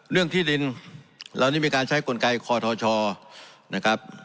เรื่องที่ดินเหล่านี้มีการใช้กลไกคอทชนะครับ